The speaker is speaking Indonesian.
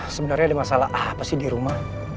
sebenarnya ada masalah apa sih di rumah